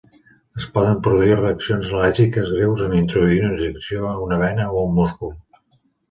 Es poden produir reaccions al·lèrgiques greus en introduir una injecció a una vena o un múscul.